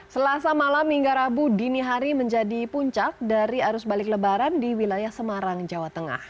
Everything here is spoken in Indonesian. selasa malam hingga rabu dini hari menjadi puncak dari arus balik lebaran di wilayah semarang jawa tengah